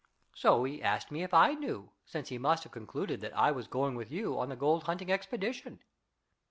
So he asked me if I knew, since he must have concluded that I was going with you on the gold hunting expedition."